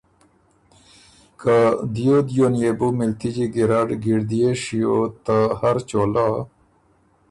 که دیو دیو ن يې بو مِلتِجی ګیرډ ګِړدئے شیو ته هر چولۀ